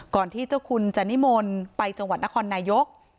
ที่เจ้าคุณจานิมนต์ไปจังหวัดนครนายก